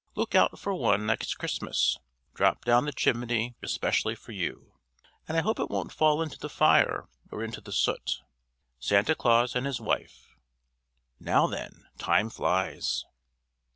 Look out for one next Christmas, dropped down the chimney especially for you: and I hope it won't fall into the fire or into the soot Santa Claus and his Wife. Now then time flies!"